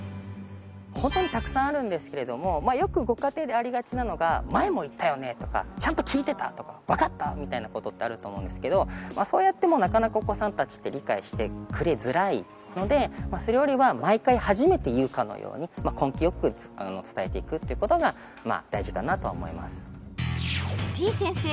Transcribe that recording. ホントにたくさんあるんですけれどもよくご家庭でありがちなのが「前も言ったよね」とか「ちゃんと聞いてた？」とか「わかった？」みたいなことってあると思うんですけどそうやってもなかなかお子さんたちって理解してくれづらいのでそれよりはってことが大事かなとは思いますてぃ先生